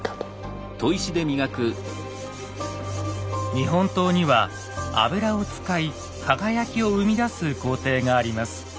日本刀には油を使い輝きを生み出す工程があります。